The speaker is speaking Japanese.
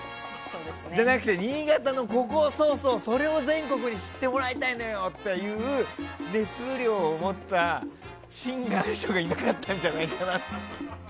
じゃなくて、新潟のそれを全国に知ってもらいたいのよというのを熱量を持ったシンガーの人がいなかったんじゃないかな。